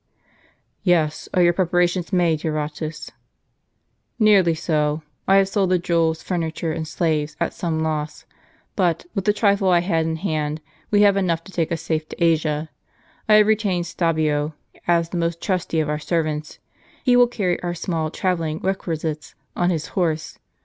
" Yes ; are your preparations made, Eurotas ?"" Nearly so. I have sold the jewels, furniture, and slaves, at some loss; but, with the trifle I had in hand, we have enough to take us safe to Asia. I have retained Stabio, as the most trusty of our servants ; he will carry our small trav elling requisites on his horse.